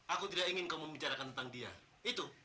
aku tidak ingin kamu membicarakan tentang dia itu